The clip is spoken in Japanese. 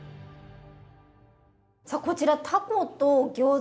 さあこちらタコとギョーザ。